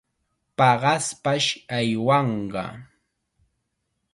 Paqaspash aywanqa.